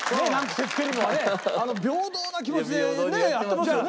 平等な気持ちでねやってますよね